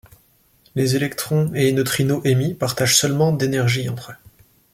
Les électrons et neutrinos émis partagent seulement d'énergie entre eux.